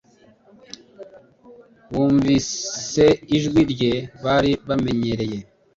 bumvise ijwi rye bari bamenyereye,